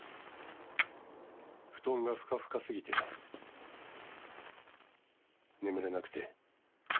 布団がふかふかすぎて眠れなくて。